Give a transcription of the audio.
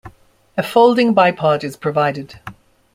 A folding bipod is provided.